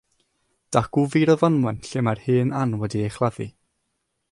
Dacw fur y fynwent lle mae'r hen Ann wedi ei chladdu.